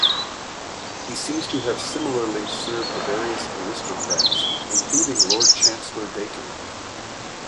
He seems to have similarly served various aristocrats, including Lord Chancellor Bacon.